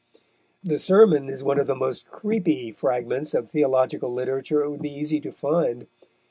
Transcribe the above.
The sermon is one of the most "creepy" fragments of theological literature it would be easy to find.